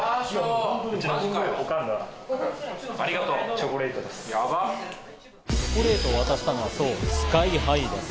チョコレートを渡したのはＳＫＹ−ＨＩです。